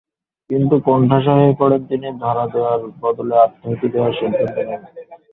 কিন্তু কোণঠাসা হয়ে পড়ে তিনি ধরা দেওয়ার বদলে আত্মাহুতি দেওয়ার সিদ্ধান্ত নেন।